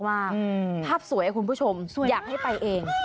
ภาพสวยคุณผู้ชมอยากให้ไปเอง